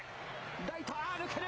ライト、あー、抜ける。